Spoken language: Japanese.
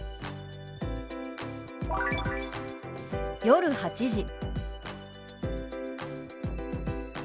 「夜８時」。